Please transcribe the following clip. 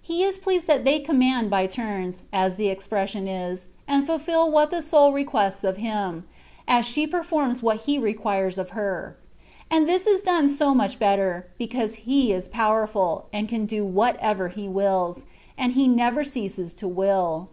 He is pleased that they ^' command by tums,^^^ as the expression is, and fulfil what the soul requests of Him (as she performs what He requires of her) : and this is done so much better, because He is powerful, and can do whatever He wills, and He never ceases to will.